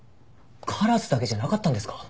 カラスだけじゃなかったんですか？